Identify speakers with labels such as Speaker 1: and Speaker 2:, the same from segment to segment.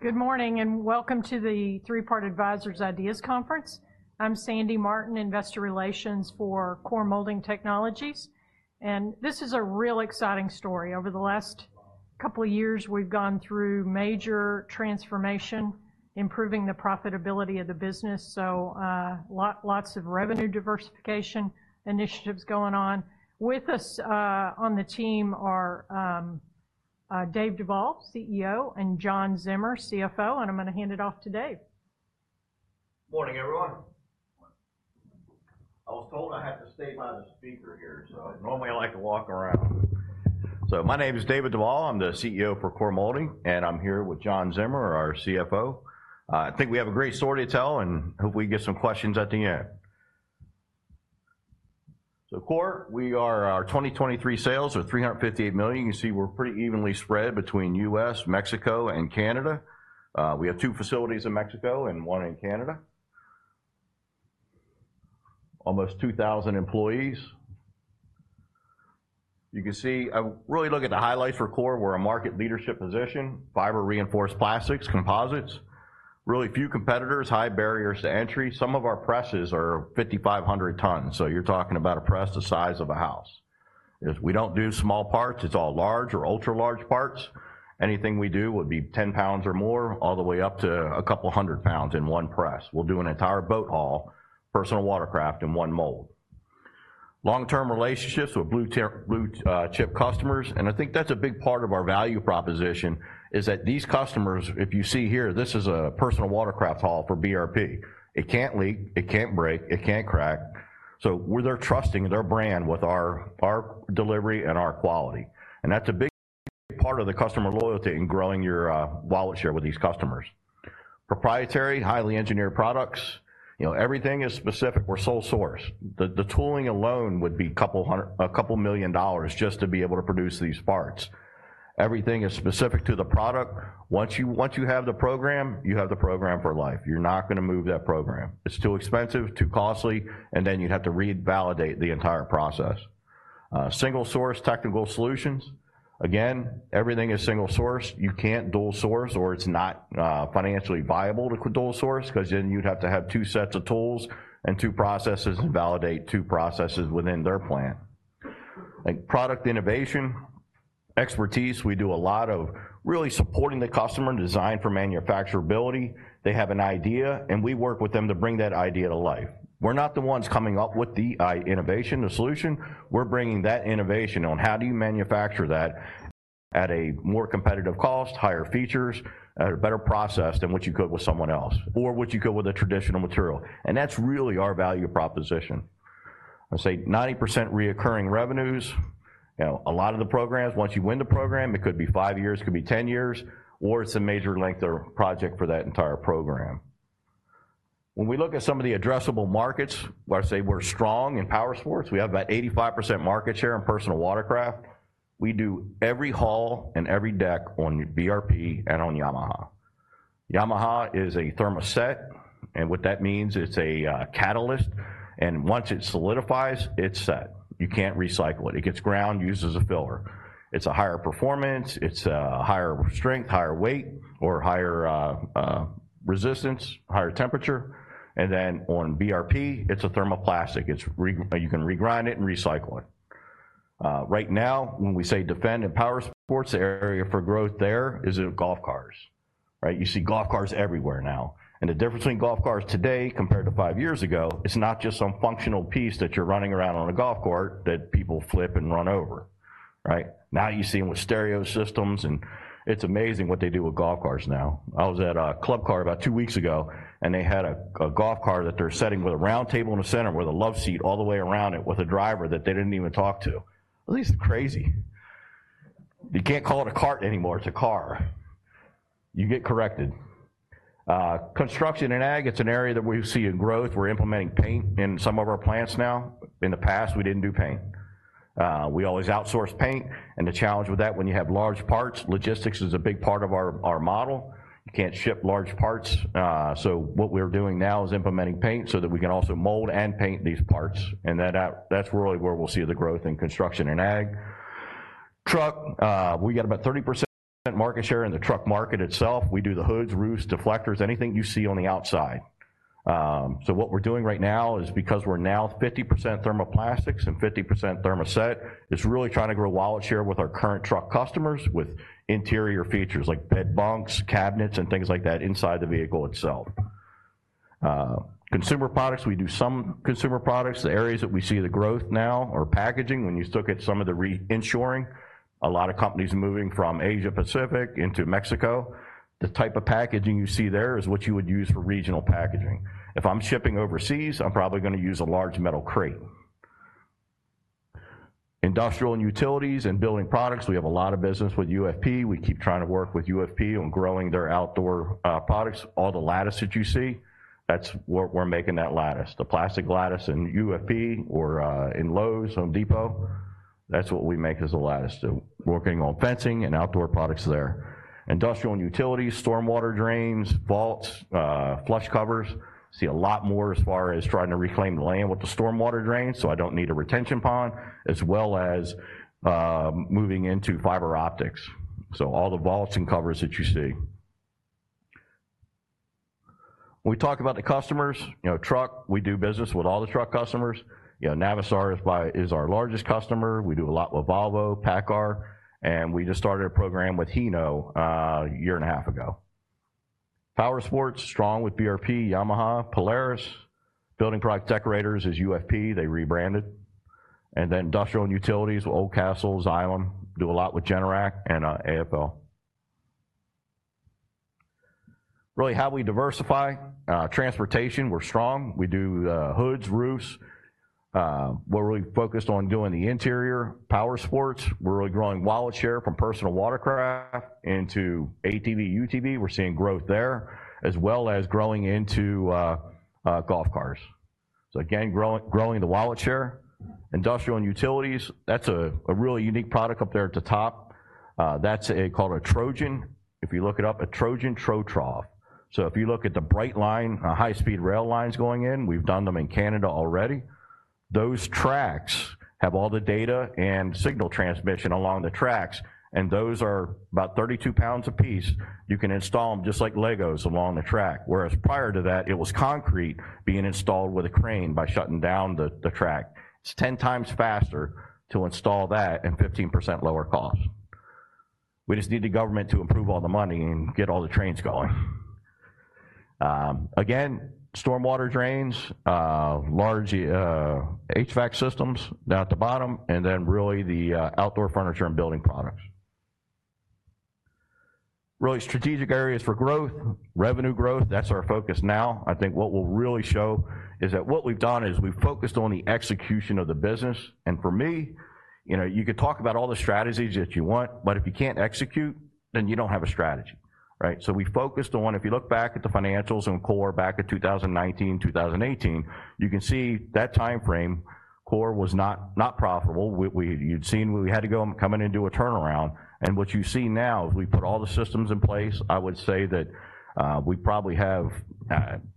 Speaker 1: Good morning, and welcome to the Three Part Advisors IDEAS Conference. I'm Sandy Martin, Investor Relations forCORE Molding Technologies, and this is a real exciting story. Over the last couple of years, we've gone through major transformation, improving the profitability of the business, so, lots of revenue diversification initiatives going on. With us, on the team are, Dave Duvall, CEO, and John Zimmer, CFO, and I'm gonna hand it off to Dave.
Speaker 2: Morning, everyone. I was told I had to stay by the speaker here, so normally I like to walk around. So my name is Dave Duvall. I'm the CEO forCORE Molding, and I'm here with John Zimmer, our CFO. I think we have a great story to tell, and hope we get some questions at the end. SoCORE, we are, our 2023 sales are $358 million. You can see we're pretty evenly spread between U.S., Mexico, and Canada. We have two facilities in Mexico and one in Canada. Almost 2,000 employees. You can see, really look at the highlights forCORE we're a market leadership position, fiber-reinforced plastics, composites. Really few competitors, high barriers to entry some of our presses are 5,500 tons, so you're talking about a press the size of a house. 'Cause we don't do small parts, it's all large or ultra-large parts. Anything we do would be 10 or more, all the way up to a couple hundred lbs in one press we'll do an entire boat hull, personal watercraft, in one mold. Long-term relationships with blue chip customers, and I think that's a big part of our value proposition, is that these customers, if you see here, this is a personal watercraft hull for BRP. It can't leak, it can't break, it can't crack, so we're they're trusting their brand with our delivery and our quality, and that's a big part of the customer loyalty in growing your wallet share with these customers. Proprietary, highly engineered products. You know, everything is specific we're sole source. The tooling alone would be $200,000-$2 million just to be able to produce these parts. Everything is specific to the product. Once you have the program, you have the program for life you're not gonna move that program it's too expensive, too costly, and then you'd have to revalidate the entire process. Single source technical solutions. Again, everything is single source you can't dual source, or it's not financially viable to dual source, 'cause then you'd have to have two sets of tools and two processes, and validate two processes within their plant. Like, product innovation, expertise, we do a lot of really supporting the customer, design for manufacturability. They have an idea, and we work with them to bring that idea to life. We're not the ones coming up with the innovation, the solution. We're bringing that innovation on how do you manufacture that at a more competitive cost, higher features, at a better process than what you could with someone else, or what you could with a traditional material? And that's really our value proposition. I'd say 90% reoccurring revenues. You know, a lot of the programs, once you win the program, it could be five years, it could be 10 years, or it's a major length or project for that entire program. When we look at some of the addressable markets, where I say we're strong in powersports, we have about 85% market share in personal watercraft. We do every hull and every deck on BRP and on Yamaha. Yamaha is a thermoset, and what that means, it's a catalyst, and once it solidifies, it's set. You can't recycle it it gets ground, used as a filler. It's a higher performance, it's a higher strength, higher weight, or higher resistance, higher temperature, and then on BRP, it's a thermoplastic it's, you can regrind it and recycle it. Right now, when we say demand in powersports, the area for growth there is in golf cars, right? You see golf cars everywhere now, and the difference between golf cars today compared to five years ago, it's not just some functional piece that you're running around on a golf course that people flip and run over, right? Now, you see them with stereo systems, and it's amazing what they do with golf cars now i was at a Club Car about two weeks ago, and they had a golf car that they're setting with a round table in the center with a love seat all the way around it, with a driver that they didn't even talk to well, this is crazy. You can't call it a cart anymore, it's a car. You get corrected. Construction and ag, it's an area that we see in growth we're implementing paint in some of our plants now. In the past, we didn't do paint. We always outsourced paint, and the challenge with that, when you have large parts, logistics is a big part of our model. You can't ship large parts. So what we're doing now is implementing paint so that we can also mold and paint these parts, and that's really where we'll see the growth in construction and ag. Truck, we got about 30% market share in the truck market itself we do the hoods, roofs, deflectors, anything you see on the outside. So what we're doing right now is, because we're now 50% thermoplastics and 50% thermoset, is really trying to grow wallet share with our current truck customers with interior features like bed bunks, cabinets, and things like that inside the vehicle itself. Consumer products, we do some consumer products the areas that we see the growth now are packaging when you look at some of the reshoring, a lot of companies are moving from Asia Pacific into Mexico. The type of packaging you see there is what you would use for regional packaging. If I'm shipping overseas, I'm probably gonna use a large metal crate. Industrial and utilities and building products, we have a lot of business with UFP we keep trying to work with UFP on growing their outdoor products all the lattice that you see. That's what we're making that lattice, the plastic lattice in UFP or in Lowe's, Home Depot. That's what we make as a lattice so working on fencing and outdoor products there. Industrial and utilities, stormwater drains, vaults, flush covers. See a lot more as far as trying to reclaim the land with the stormwater drains, so I don't need a retention pond, as well as moving into fiber optics. So all the vaults and covers that you see. When we talk about the customers, you know, truck, we do business with all the truck customers. You know, Navistar is by, is our largest customer we do a lot with Volvo, PACCAR, and we just started a program with Hino, a year and a half ago. Powersports, strong with BRP, Yamaha, Polaris. Deckorators is UFP, they rebranded. And then Industrial and Utilities, Oldcastle, Xylem, do a lot with Generac and, AFL. Really, how do we diversify? Transportation, we're strong we do, hoods, roofs. We're really focused on doing the interior powersports we're really growing wallet share from personal watercraft into ATV, UTV we're seeing growth there, as well as growing into, golf cars. So again, growing the wallet share. Industrial and utilities, that's a really unique product up there at the top. That's called a TroTrof. If you look it up, a TroTrof. So if you look at the Brightline, high-speed rail lines going in, we've done them in Canada already. Those tracks have all the data and signal transmission along the tracks, and those are about 32 lbs apiece. You can install them just like Legos along the track, whereas prior to that, it was concrete being installed with a crane by shutting down the track. It's 10 times faster to install that and 15% lower cost. We just need the government to approve all the money and get all the trains going. Again, stormwater drains, large HVAC systems down at the bottom, and then really the outdoor furniture and building products. Really strategic areas for growth. Revenue growth, that's our focus now i think what we'll really show is that what we've done is we've focused on the execution of the business. For me, you know, you could talk about all the strategies that you want, but if you can't execute, then you don't have a strategy. Right? We focused on if you look back at the financials in CORE back in 2019, 2018, you can see that timeframe, CORE was not profitable you'd seen we had to go coming into a turnaround, and what you see now is we put all the systems in place i would say that we probably have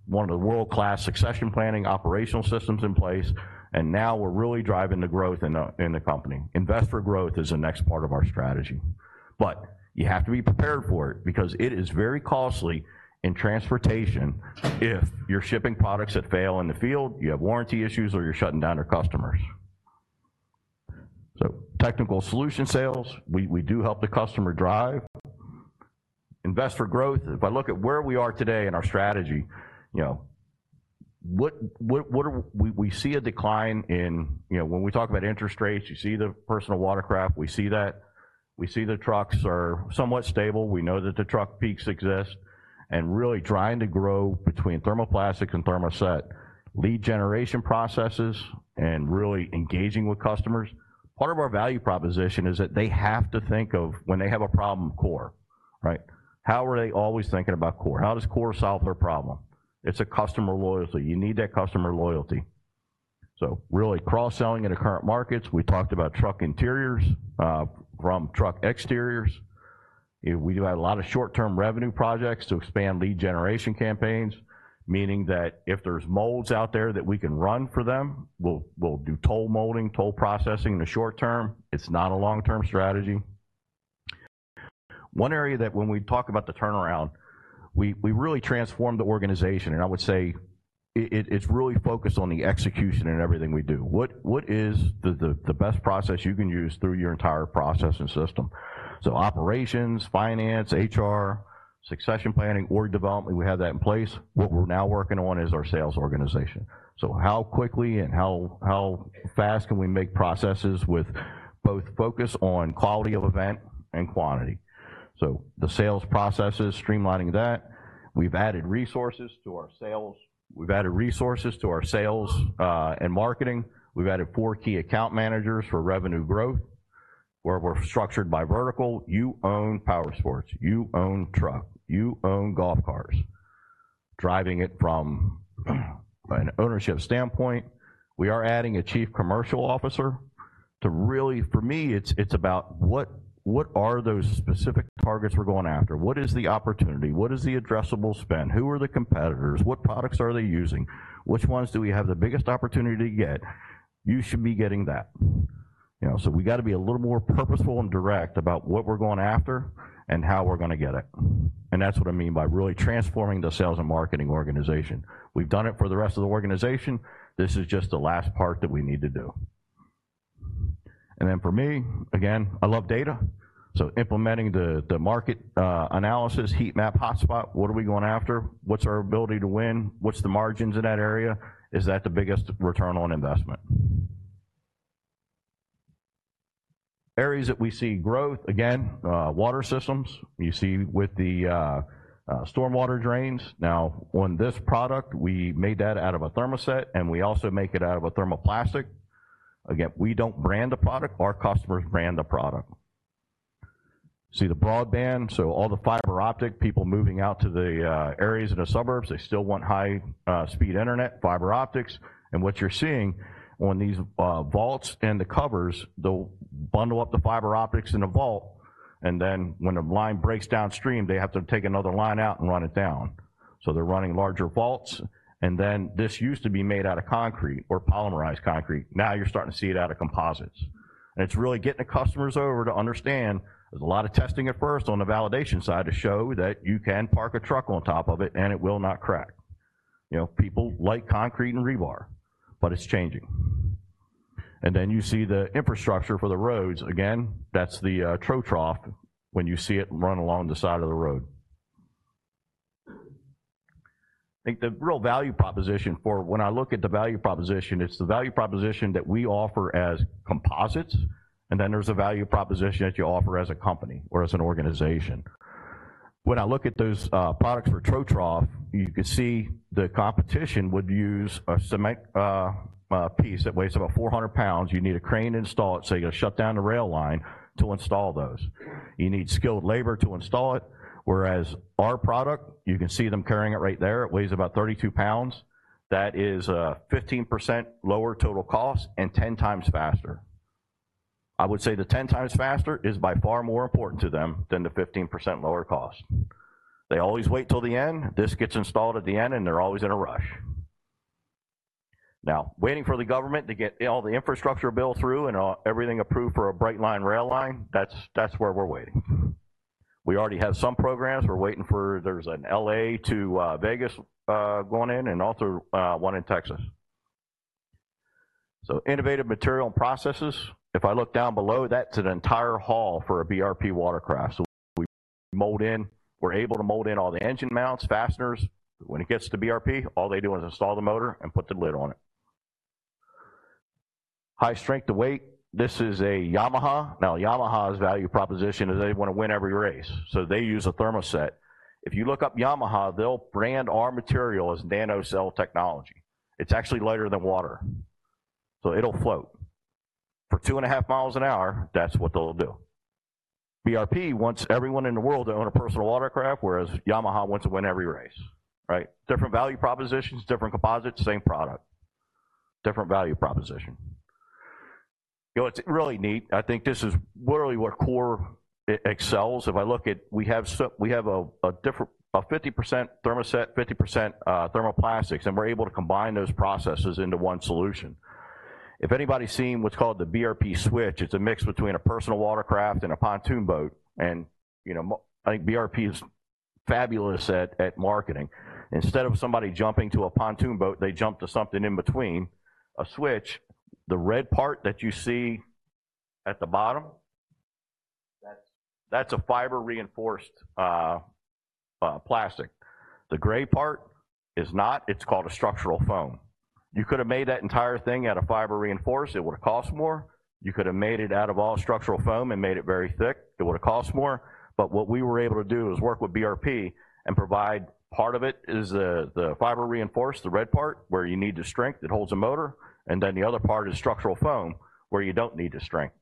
Speaker 2: one of the world-class succession planning operational systems in place, and now we're really driving the growth in the company. Invest for growth is the next part of our strategy. But you have to be prepared for it because it is very costly in transportation if you're shipping products that fail in the field, you have warranty issues, or you're shutting down your customers. So technical solution sales, we do help the customer drive. Invest for growth if I look at where we are today in our strategy, you know, what are we see a decline in. You know, when we talk about interest rates, you see the personal watercraft, we see that. We see the trucks are somewhat stable we know that the truck peaks exist, and really trying to grow between thermoplastic and thermoset. Lead generation processes and really engaging with customers. Part of our value proposition is that they have to think of, when they have a problem, CORE, right? How are they always thinking about CORE? How does CORE solve their problem? It's a customer loyalty you need that customer loyalty. So really cross-selling into current markets we talked about truck interiors from truck exteriors. We do have a lot of short-term revenue projects to expand lead generation campaigns, meaning that if there's molds out there that we can run for them, we'll do toll molding, toll processing in the short term. It's not a long-term strategy. One area that when we talk about the turnaround, we really transformed the organization, and I would say it's really focused on the execution in everything we do what is the best process you can use through your entire process and system, so operations, finance, HR, succession planning, org development, we have that in place, What we're now working on is our sales organization. So how quickly and how fast can we make processes with both focus on quality of event and quantity? So the sales processes, streamlining that. We've added resources to our sales and marketing. We've added four key account managers for revenue growth, where we're structured by vertical you own powersports, you own truck, you own golf cars. Driving it from an ownership standpoint, we are adding a chief commercial officer to really for me, it's about what are those specific targets we're going after? What is the opportunity? What is the addressable spend? Who are the competitors? What products are they using? Which ones do we have the biggest opportunity to get? You should be getting that. You know, so we gotta be a little more purposeful and direct about what we're going after and how we're gonna get it, and that's what I mean by really transforming the sales and marketing organization. We've done it for the rest of the organization. This is just the last part that we need to do. And then for me, again, I love data, so implementing the market analysis, heat map, hotspot, what are we going after? What's our ability to win? What's the margins in that area? Is that the biggest return on investment? Areas that we see growth, again, water systems. You see with the stormwater drains now, on this product, we made that out of a thermoset, and we also make it out of a thermoplastic. Again, we don't brand a product our customers brand the product. See the broadband, so all the fiber optic, people moving out to the areas in the suburbs, they still want high speed internet, fiber optics and what you're seeing on these vaults and the covers, they'll bundle up the fiber optics in a vault, and then when a line breaks downstream, they have to take another line out and run it down. So they're running larger vaults, and then this used to be made out of concrete or polymerized concrete now you're starting to see it out of composites. And it's really getting the customers over to understand there's a lot of testing at first on the validation side to show that you can park a truck on top of it, and it will not crack. You know, people like concrete and rebar, but it's changing. And then you see the infrastructure for the roads again, that's the TroTrof when you see it run along the side of the road. I think the real value proposition for when I look at the value proposition, it's the value proposition that we offer as composites, and then there's a value proposition that you offer as a company or as an organization. When I look at those products for TroTrof, you can see the competition would use a cement piece that weighs about 400 lbs you need a crane to install it, so you're gonna shut down the rail line to install those. You need skilled labor to install it, whereas our product, you can see them carrying it right there. It weighs about 32 lbs. That is a 15% lower total cost and 10 times faster. I would say the ten times faster is by far more important to them than the 15% lower cost. They always wait till the end this gets installed at the end, and they're always in a rush. Now, waiting for the government to get all the infrastructure bill through and all everything approved for a Brightline rail line, that's where we're waiting. We already have some programs we're waiting for there's an LA to Vegas going in and also one in Texas. So innovative material and processes, if I look down below, that's an entire hull for a BRP watercraft so we mold in. We're able to mold in all the engine mounts, fasteners. When it gets to BRP, all they do is install the motor and put the lid on it. High strength to weight, this is a Yamaha. Now, Yamaha's value proposition is they want to win every race, so they use a thermoset. If you look up Yamaha, they'll brand our material as NanoXcel technology. It's actually lighter than water, so it'll float. For two and a half miles an hour, that's what they'll do. BRP wants everyone in the world to own a personal watercraft, whereas Yamaha wants to win every race, right? Different value propositions, different composites, same product, different value proposition. You know, it's really neat i think this is literally where CORE excels if I look at we have a different 50% thermoset, 50% thermoplastics, and we're able to combine those processes into one solution. If anybody's seen what's called the BRP Switch, it's a mix between a personal watercraft and a pontoon boat. You know, I think BRP is fabulous at marketing. Instead of somebody jumping to a pontoon boat, they jump to something in between, a Switch. The red part that you see at the bottom. That's a fiber-reinforced plastic. The gray part is not it's called a structural foam. You could have made that entire thing out of fiber-reinforced it would have cost more. You could have made it out of all structural foam and made it very thick it would have cost more. But what we were able to do is work with BRP and provide part of it, the fiber-reinforced, the red part, where you need the strength that holds a motor, and then the other part is structural foam, where you don't need the strength.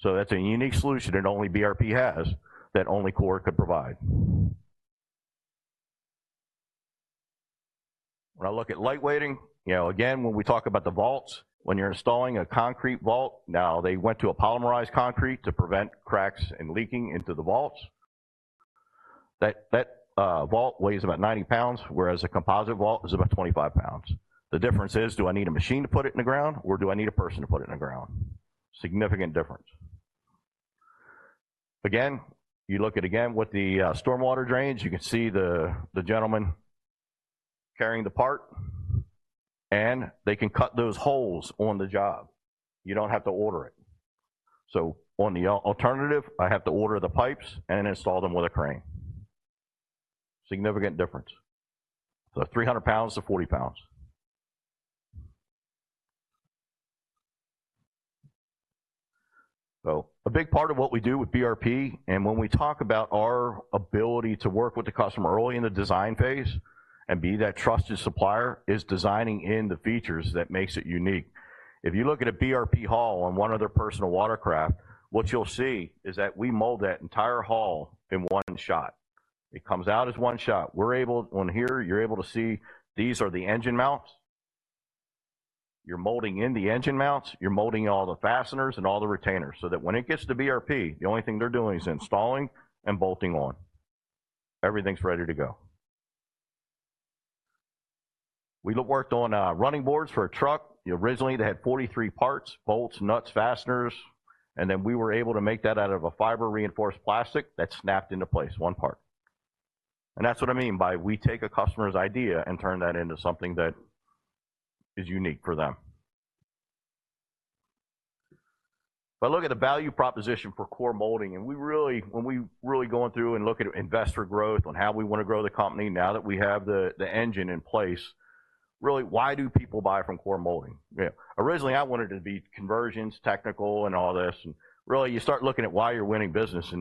Speaker 2: So that's a unique solution, and only BRP has, that only CORE could provide. When I look at lightweighting, you know, again, when we talk about the vaults, when you're installing a concrete vault, now they went to a polymerized concrete to prevent cracks and leaking into the vaults. That vault weighs about 90 lbs, whereas a composite vault is about 25 lbs. The difference is do I need a machine to put it in the ground, or do I need a person to put it in the ground? Significant difference. Again, you look at with the stormwater drains, you can see the gentleman carrying the part, and they can cut those holes on the job. You don't have to order it, so on the alternative, I have to order the pipes and install them with a crane. Significant difference, so 300 lbs- 40 lbs. So a big part of what we do with BRP, and when we talk about our ability to work with the customer early in the design phase and be that trusted supplier, is designing in the features that makes it unique. If you look at a BRP hull on one of their personal watercraft, what you'll see is that we mold that entire hull in one shot. It comes out as one shot we're able... On here, you're able to see these are the engine mounts. You're molding in the engine mounts. You're molding all the fasteners and all the retainers, so that when it gets to BRP, the only thing they're doing is installing and bolting on. Everything's ready to go. We worked on running boards for a truck. Originally, they had 43 parts, bolts, nuts, fasteners, and then we were able to make that out of a fiber-reinforced plastic that snapped into place, one part. And that's what I mean by we take a customer's idea and turn that into something that is unique for them. But look at the value proposition for CORE Molding, and we really, when we're really going through and looking at investor growth on how we want to grow the company now that we have the engine in place. Really, why do people buy from CORE Molding? Yeah originally, I wanted it to be conversions, technical, and all this, and really, you start looking at why you're winning business,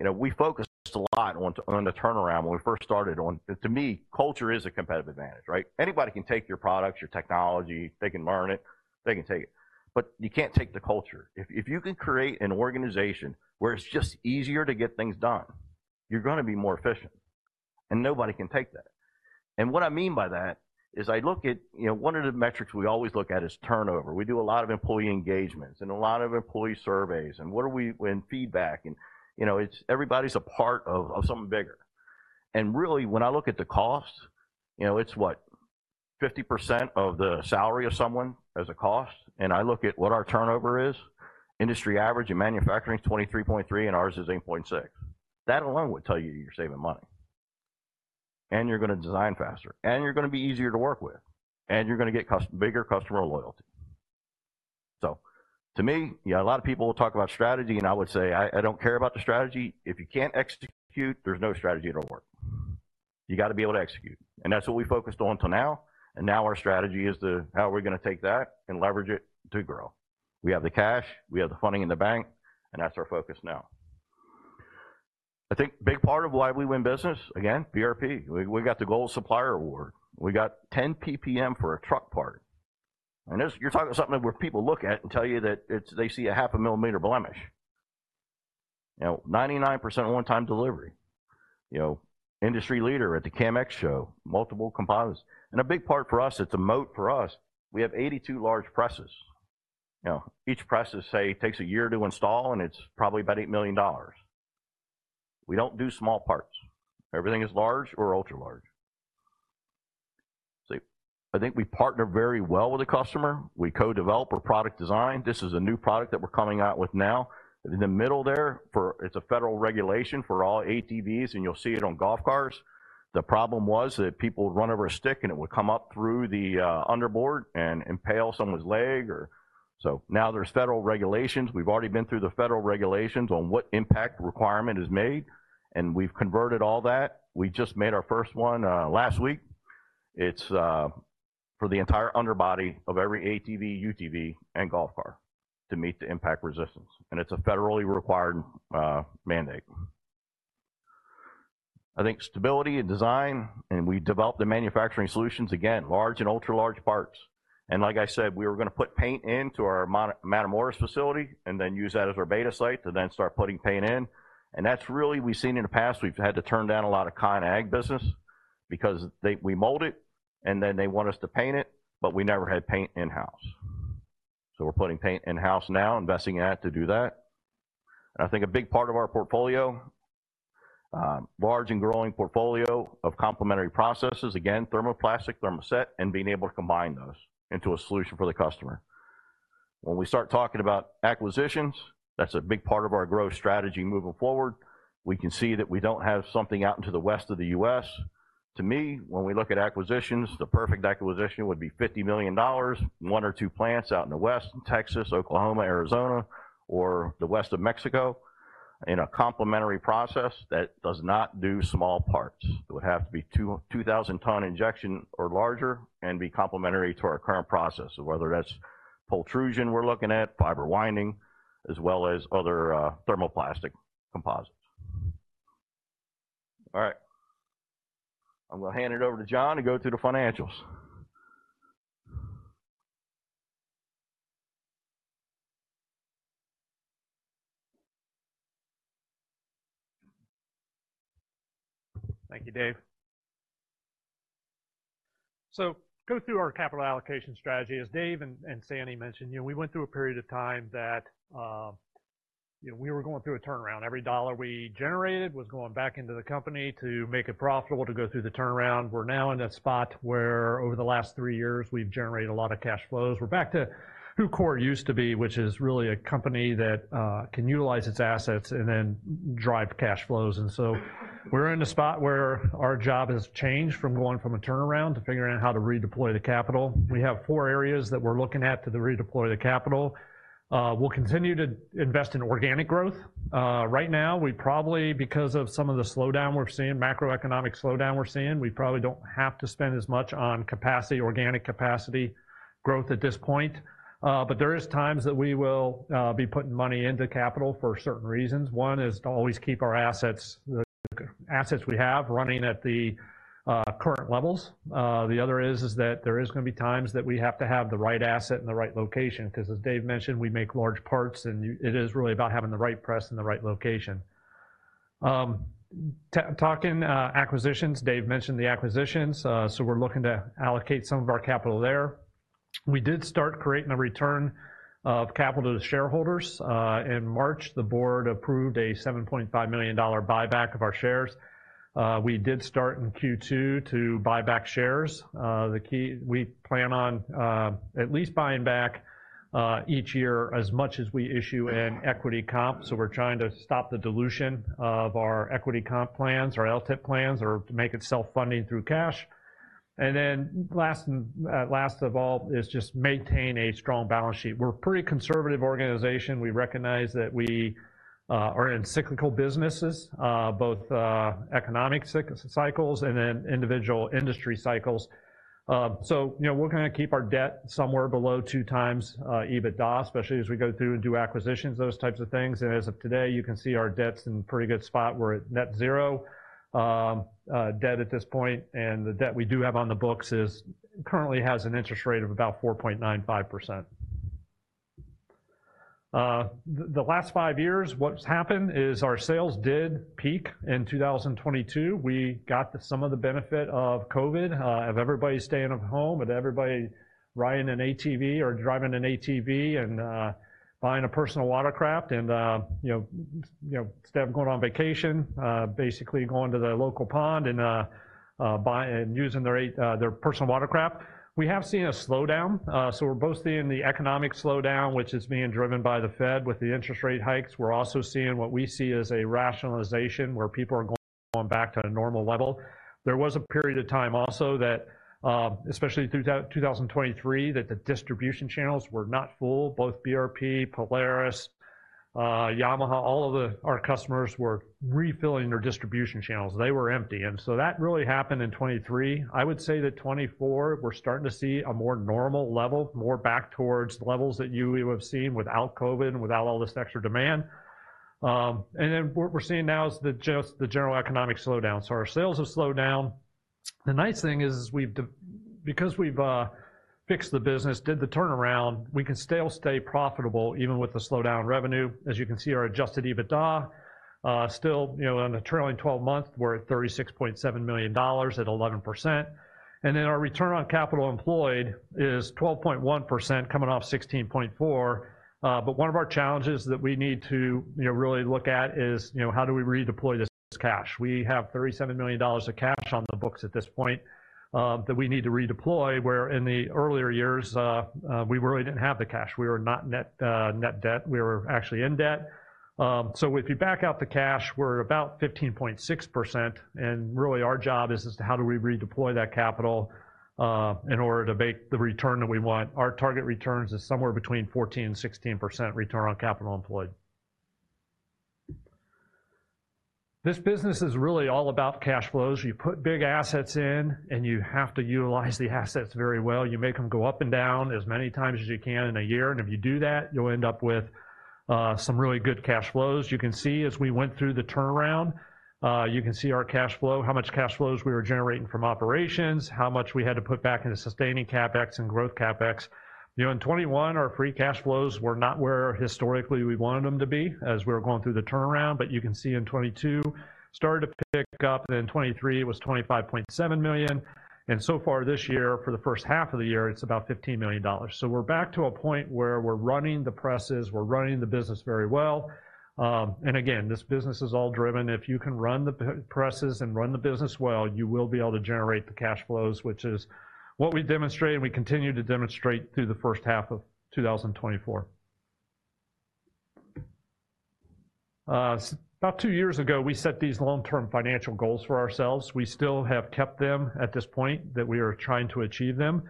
Speaker 2: and, you know, we focused a lot on the turnaround when we first started on to me, culture is a competitive advantage, right? Anybody can take your products, your technology. They can learn it. They can take it, but you can't take the culture. If you can create an organization where it's just easier to get things done, you're gonna be more efficient, and nobody can take that. And what I mean by that is I look at you know, one of the metrics we always look at is turnover we do a lot of employee engagements and a lot of employee surveys, and feedback, and, you know, it's everybody's a part of something bigger. And really, when I look at the costs, you know, it's 50% of the salary of someone as a cost, and I look at what our turnover is, industry average in manufacturing is 23.3 and ours is 8.6. That alone would tell you, you're saving money, and you're gonna design faster, and you're gonna be easier to work with, and you're gonna get bigger customer loyalty. So to me, you know, a lot of people will talk about strategy, and I would say, "I don't care about the strategy if you can't execute, there's no strategy it'll work." You gotta be able to execute, and that's what we focused on till now, and now our strategy is to how we're gonna take that and leverage it to grow. We have the cash, we have the funding in the bank, and that's our focus now. I think big part of why we win business, again, BRP we got the Gold Supplier Award. We got 10 PPM for a truck part, and this you're talking about something where people look at it and tell you that it's - they see a half a millimeter blemish. You know, 99% on-time delivery. You know, industry leader at the CAMX Show, multiple composites, and a big part for us, it's a moat for us, we have 82 large presses. You know, each press, let's say, takes a year to install, and it's probably about $8 million. We don't do small parts. Everything is large or ultra large. So I think we partner very well with the customer. We co-develop our product design this is a new product that we're coming out with now. In the middle there, for it's a federal regulation for all ATVs, and you'll see it on golf cars. The problem was that people would run over a stick, and it would come up through the underboard and impale someone's leg or... So now there's federal regulations we've already been through the federal regulations on what impact requirement is made, and we've converted all that. We just made our first one last week. It's for the entire underbody of every ATV, UTV, and golf cart to meet the impact resistance, and it's a federally required mandate. I think stability and design, and we developed the manufacturing solutions, again, large and ultra large parts. And like I said, we were gonna put paint into our Matamoros facility and then use that as our beta site to then start putting paint in, and that's really we've seen in the past we've had to turn down a lot of ConAg business because we mold it, and then they want us to paint it, but we never had paint in-house. So we're putting paint in-house now, investing in that to do that. And I think a big part of our portfolio, large and growing portfolio of complementary processes, again, thermoplastic, thermoset, and being able to combine those into a solution for the customer. When we start talking about acquisitions, that's a big part of our growth strategy moving forward. We can see that we don't have something out into the west of the U.S. To me, when we look at acquisitions, the perfect acquisition would be $50 million, one or two plants out in the west, in Texas, Oklahoma, Arizona, or the west of Mexico, in a complementary process that does not do small parts it would have to be 2,000-ton injection or larger and be complementary to our current process, whether that's pultrusion we're looking at, fiber winding, as well as other thermoplastic composites. All right. I'm gonna hand it over to John to go through the financials.
Speaker 3: Thank you, Dave. So go through our capital allocation strategy as Dave and Sandy mentioned, you know, we went through a period of time that you know, we were going through a turnaround every dollar we generated was going back into the company to make it profitable, to go through the turnaround we're now in a spot where over the last three years, we've generated a lot of cash flows we're back to who CORE used to be, which is really a company that can utilize its assets and then drive cash flows. We're in a spot where our job has changed from going from a turnaround to figuring out how to redeploy the capital. We have four areas that we're looking at to redeploy the capital. We'll continue to invest in organic growth. Right now, we probably, because of some of the slowdown we're seeing, macroeconomic slowdown we're seeing, we probably don't have to spend as much on capacity, organic capacity growth at this point. But there is times that we will be putting money into capital for certain reasons one is to always keep our assets, the assets we have, running at the current levels. The other is that there is gonna be times that we have to have the right asset in the right location, 'cause as Dave mentioned, we make large parts, and it is really about having the right press in the right location. Talking acquisitions, Dave mentioned the acquisitions, so we're looking to allocate some of our capital there. We did start creating a return of capital to shareholders. In March, the board approved a $7.5 million buyback of our shares. We did start in Q2 to buy back shares. We plan on at least buying back each year as much as we issue in equity comp, so we're trying to stop the dilution of our equity comp plans, our LTIP plans, or make it self-funding through cash. Last of all is just maintain a strong balance sheet we're a pretty conservative organization we recognize that we are in cyclical businesses, both economic cycles and then individual industry cycles. So, you know, we're gonna keep our debt somewhere below two times EBITDA, especially as we go through and do acquisitions, those types of things as of today, you can see our debt's in pretty good spot we're at net zero debt at this point, and the debt we do have on the books is currently has an interest rate of about 4.95%. The last five years, what's happened is our sales did peak in 2022. We got some of the benefit of COVID, of everybody staying at home and everybody riding an ATV or driving an ATV and, buying a personal watercraft and, you know, instead of going on vacation, basically going to the local pond and buying and using their personal watercraft. We have seen a slowdown. So we're both seeing the economic slowdown, which is being driven by the Fed with the interest rate hikes we're also seeing what we see as a rationalization where people are going back to a normal level. There was a period of time also that, especially through 2023, that the distribution channels were not full both BRP, Polaris, Yamaha, all of the, our customers were refilling their distribution channels they were empty, and so that really happened in 2023. I would say that 2024, we're starting to see a more normal level, more back towards the levels that you would have seen without COVID, without all this extra demand. And then what we're seeing now is just the general economic slowdown so our sales have slowed down. The nice thing is we've because we've fixed the business, did the turnaround, we can still stay profitable even with the slowdown revenue. As you can see, our adjusted EBITDA. Still, you know, on a trailing twelve month, we're at $36.7 million at 11%, and then our return on capital employed is 12.1%, coming off 16.4%, but one of our challenges that we need to, you know, really look at is, you know, how do we redeploy this cash? We have $37 million of cash on the books at this point, that we need to redeploy, where in the earlier years, we really didn't have the cash we were not net debt we were actually in debt. So if you back out the cash, we're about 15.6%, and really our job is how do we redeploy that capital, in order to make the return that we want? Our target returns is somewhere between 14% and 16% return on capital employed. This business is really all about cash flows you put big assets in, and you have to utilize the assets very well you make them go up and down as many times as you can in a year, and if you do that, you'll end up with, some really good cash flows you can see as we went through the turnaround, you can see our cash flow, how much cash flows we were generating from operations, how much we had to put back into sustaining CapEx and growth CapEx. You know, in 2021, our free cash flows were not where historically we wanted them to be, as we were going through the turnaround but you can see in 2022, started to pick up, then 2023, it was $25.7 million. And so far this year, for the first half of the year, it's about $15 million so we're back to a point where we're running the presses, we're running the business very well. And again, this business is all driven if you can run the presses and run the business well, you will be able to generate the cash flows, which is what we demonstrated, and we continue to demonstrate through the first half of 2024. About two years ago, we set these long-term financial goals for ourselves. We still have kept them at this point, that we are trying to achieve them.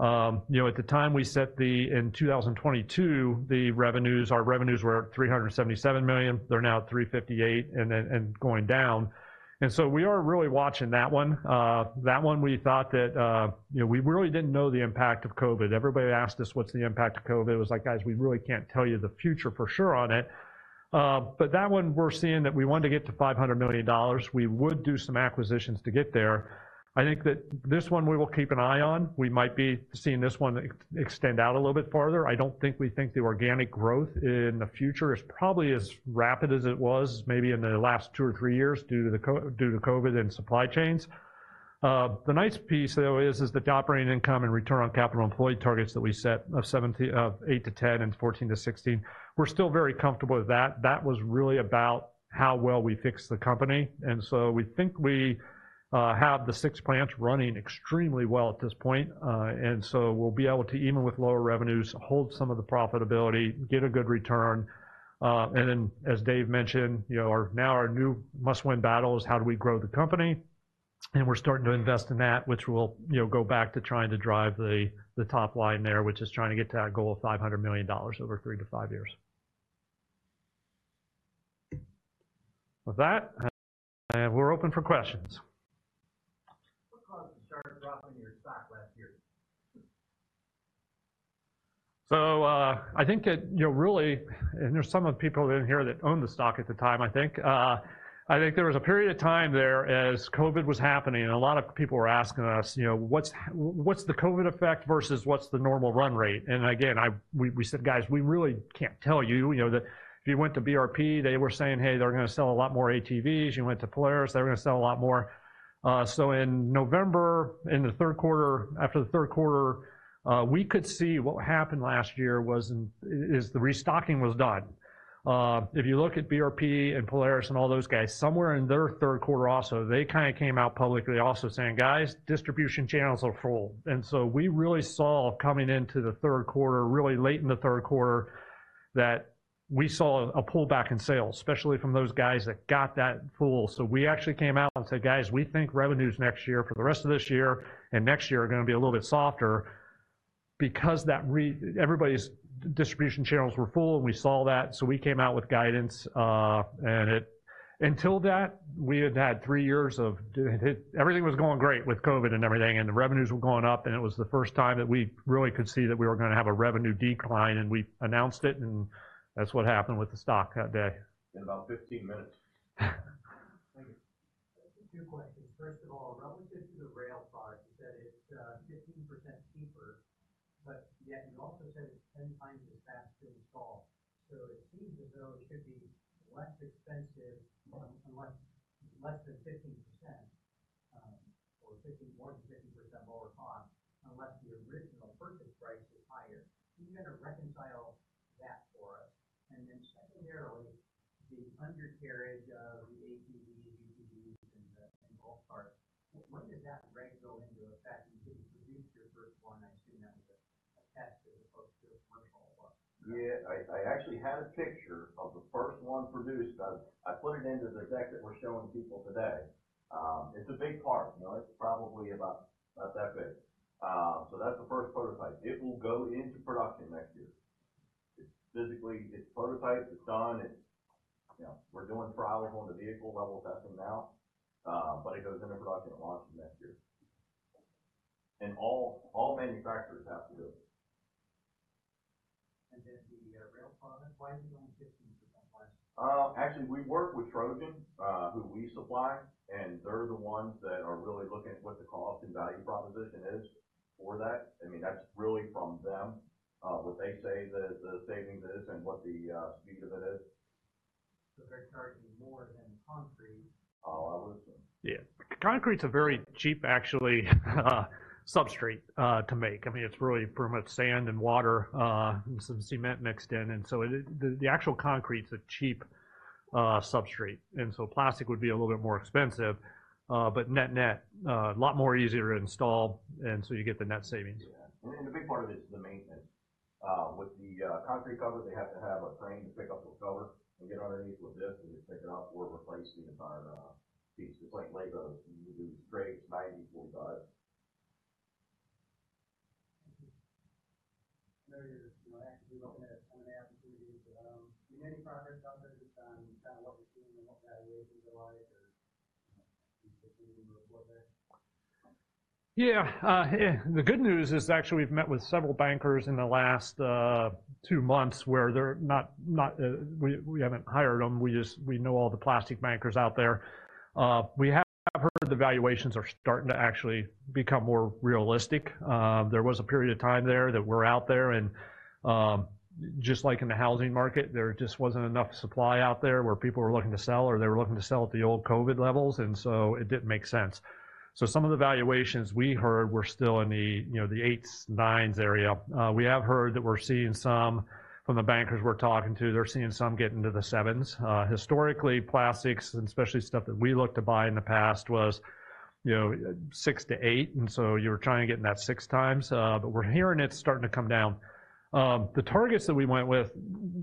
Speaker 3: You know, at the time we set the, in 2022, the revenues, our revenues were $377 million they're now at $358 million and then, and going down. And so we are really watching that one. That one, we thought that, you know, we really didn't know the impact of COVID everybody asked us, "What's the impact of COVID?" It was like, "Guys, we really can't tell you the future for sure on it." But that one, we're seeing that we want to get to $500 million we would do some acquisitions to get there. I think that this one we will keep an eye on. We might be seeing this one extend out a little bit farther i don't think we think the organic growth in the future is probably as rapid as it was maybe in the last two or three years due to COVID and supply chains. The nice piece, though, is the operating income and return on capital employed targets that we set of 7.8%-10% and 14%-16%. We're still very comfortable with that, That was really about how well we fixed the company, and so we think we have the six plants running extremely well at this point. And so we'll be able to, even with lower revenues, hold some of the profitability, get a good return. And then, as Dave mentioned, you know, now our new must-win battle is how do we grow the company? And we're starting to invest in that, which will, you know, go back to trying to drive the top line there, which is trying to get to that goal of $500 million over three to five years. With that, we're open for questions.
Speaker 4: What caused the sharp drop in your stock last year?
Speaker 3: So, I think it, you know, really, and there's some of the people in here that owned the stock at the time, I think. I think there was a period of time there as COVID was happening, and a lot of people were asking us, you know ''What's what's the COVID effect versus what's the normal run rate? And again, we, we said Guys, we really can't tell you. You know, that if you went to BRP, they were saying, "Hey, they're going to sell a lot more ATVs." You went to Polaris, "They're going to sell a lot more." So in November, in the Q3 after the Q3, we could see what happened last year was, is the restocking was done. If you look at BRP and Polaris and all those guys, somewhere in their Q3 also, they kind of came out publicly also saying: "Guys, distribution channels are full." And so we really saw, coming into the Q3, really late in the Q3, that we saw a pullback in sales, especially from those guys that got that full so we actually came out and said: "Guys, we think revenues next year, for the rest of this year and next year are going to be a little bit softer because everybody's distribution channels were full, and we saw that, so we came out with guidance, and it... Until that, we had had three years of it, it... Everything was going great with COVID and everything, and the revenues were going up, and it was the first time that we really could see that we were going to have a revenue decline, and we announced it, and that's what happened with the stock that day.
Speaker 2: In about 15 minutes.
Speaker 4: Thank you. Two questions. First of all, relative to the rail car, you said it's 15% cheaper, but yet you also said it's 10 times as fast to install. So it seems as though it should be less expensive, unless less than 15%, or more than 50% lower cost, unless the original purchase price is higher. Can you kind of reconcile that for us? And then secondarily, the undercarriage of the ATVs and UTVs and when does that rate go into effect? When you produced your first one, I assume that was a test as opposed to a commercial one?
Speaker 2: Yeah, I actually had a picture of the first one produced i put it into the deck that we're showing people today. It's a big part you know, it's probably about that big. So that's the first prototype it will go into production next year. It's physically prototyped it's done. You know, we're doing trials on the vehicle level testing now, but it goes into production and launches next year. And all manufacturers have to do it.
Speaker 4: And then the rail product, why is it only 15% less?
Speaker 2: Actually, we work with Trojan, who we supply, and they're the ones that are really looking at what the cost and value proposition is for that i mean, that's really from them, what they say the savings is and what the speed of it is.
Speaker 4: So they're charging more than concrete?
Speaker 2: I would assume.
Speaker 3: Yeah. Concrete's a very cheap, actually, substrate to make i mean, it's really pretty much sand and water and some cement mixed in, and so it, the actual concrete's a cheap substrate, and so plastic would be a little bit more expensive, but net-net, a lot more easier to install, and so you get the net savings.
Speaker 2: Yeah. And the big part of it is the maintenance. With the concrete covers, they have to have a crane to pick up the cover and get underneath with this, and just pick it up or replace the entire piece it's like Legos you do straight 90-degree sides.
Speaker 4: I know you're, you know, actively looking at some of the opportunities. Any progress out there just on kinda what we're seeing and what the valuations are like, or you can report there?
Speaker 3: Yeah, yeah. The good news is, actually, we've met with several bankers in the last two months we haven't hired them we just know all the plastic bankers out there. We have heard the valuations are starting to actually become more realistic. There was a period of time there that we're out there, and just like in the housing market, there just wasn't enough supply out there where people were looking to sell, or they were looking to sell at the old COVID levels, and so it didn't make sense. So some of the valuations we heard were still in the, you know, the eights, nines area we have heard that we're seeing some, from the bankers we're talking to, they're seeing some get into the sevens. Historically, plastics, and especially stuff that we looked to buy in the past, was, you know, six to eight, and so you were trying to get in that six times but we're hearing it starting to come down. The targets that we went with,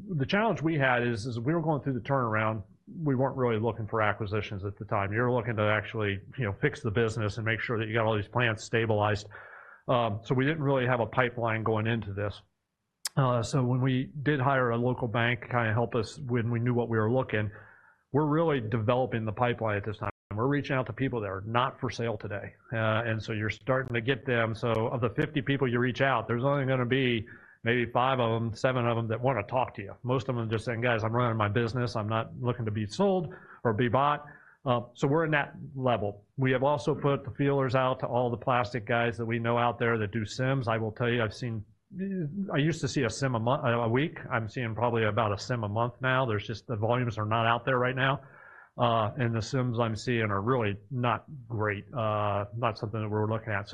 Speaker 3: the challenge we had is we were going through the turnaround. We weren't really looking for acquisitions at the time you're looking to actually, you know, fix the business and make sure that you got all these plants stabilized. So we didn't really have a pipeline going into this. So when we did hire a local bank to kinda help us when we knew what we were looking, we're really developing the pipeline at this time we're reaching out to people that are not for sale today. And so you're starting to get them so of the 50 people you reach out, there's only gonna be maybe five of them, seven of them, that wanna talk to you most of them are just saying, "Guys, I'm running my business. I'm not looking to be sold or be bought." So we're in that level. We have also put the feelers out to all the plastic guys that we know out there that do CIMs i will tell you, I've seen, I used to see a CIM a month, a week. I'm seeing probably about a CIM a month now there's just, the volumes are not out there right now. And the CIMs I'm seeing are really not great, not something that we're looking at.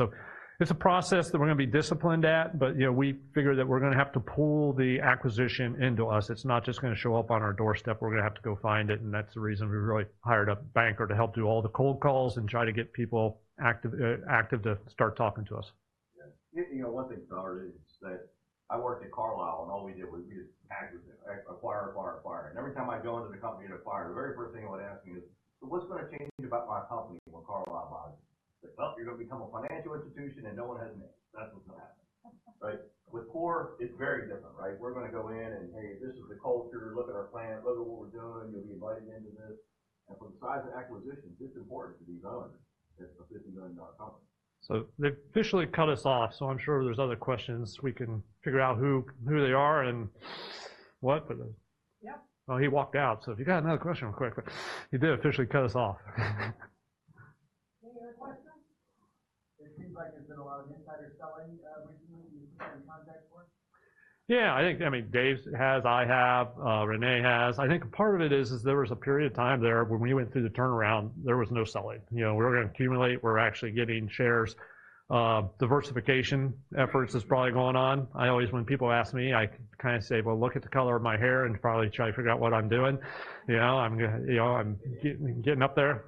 Speaker 3: It's a process that we're gonna be disciplined at, but, you know, we figure that we're gonna have to pull the acquisition into us it's not just gonna show up on our doorstep we're gonna have to go find it, and that's the reason we really hired a banker to help do all the cold calls and try to get people active to start talking to us.
Speaker 2: Yeah. You know, one thing, though, is that I worked at Carlyle, and all we did was we just acquisition, acquire, acquire, acquire and every time I'd go into the company to acquire, the very first thing I would ask you is: "So what's gonna change about my company when Carlyle buys it?" "Well, you're gonna become a financial institution, and no one has a name that's what's gonna happen." Right? With CORE, it's very different, right? We're gonna go in and, "Hey, this is the culture look at our plant, look at what we're doing you'll be invited into this." And from the size of acquisitions, it's important to these owners. It's a $50 million company.
Speaker 3: So they've officially cut us off, so I'm sure there's other questions we can figure out who they are and what, but-
Speaker 2: Yeah.
Speaker 3: He walked out, so if you got another question real quick, but he did officially cut us off.
Speaker 4: Any other questions? It seems like there's been a lot of insider selling, recently. Have you been in contact with?
Speaker 3: Yeah, I think, I mean, Dave has, I have, Renee has i think part of it is there was a period of time there when we went through the turnaround, there was no selling. You know, we were gonna accumulate we're actually getting shares. Diversification efforts is probably going on. I always, when people ask me, I kind of say, "Well, look at the color of my hair and probably try to figure out what I'm doing." You know, I'm, you know, I'm getting up there.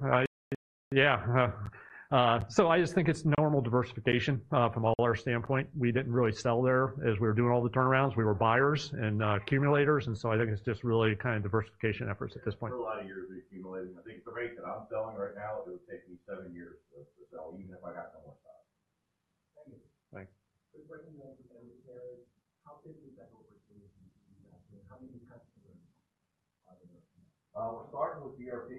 Speaker 3: So I just think it's normal diversification, from all our standpoint we didn't really sell there as we were doing all the turnarounds we were buyers and, accumulators, and so I think it's just really kind of diversification efforts at this point.
Speaker 2: It's been a lot of years of accumulating i think the rate that I'm selling right now, it would take me seven years to sell, even if I got no more stock.
Speaker 4: Thank you.
Speaker 3: Thanks.
Speaker 4: Just recognize with family shares, how big is that opportunity? How many customers are there?
Speaker 2: We're starting with BRP-